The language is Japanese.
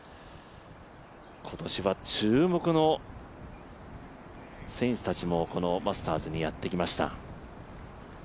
今年は注目の選手たちもこのマスターズにやってきました。